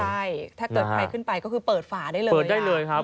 ใช่ถ้าเกิดไปขึ้นไปก็คือเปิดฝาได้เลย